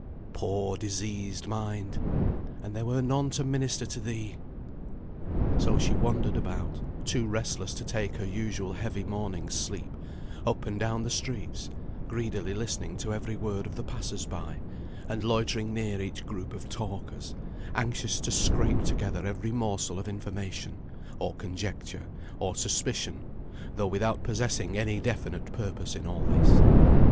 Poor, diseased mind! and there were none to minister to thee! So she wandered about, too restless to take her usual heavy morning's sleep, up and down the streets, greedily listening to every word of the passers by, and loitering near each group of talkers, anxious to scrape together every morsel of information, or conjecture, or suspicion, though without possessing any definite purpose in all this.